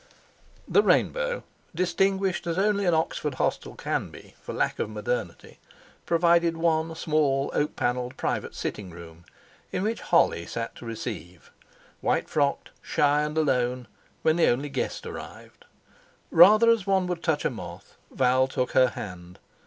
The Rainbow, distinguished, as only an Oxford hostel can be, for lack of modernity, provided one small oak panelled private sitting room, in which Holly sat to receive, white frocked, shy, and alone, when the only guest arrived. Rather as one would touch a moth, Val took her hand.